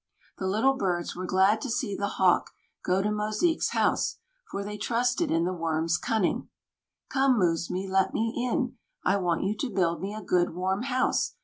The Little Birds were glad to see the Hawk go to Mosique's house, for they trusted in the Worm's cunning. "Come, Mūsmī, let me in. I want you to build me a good warm house.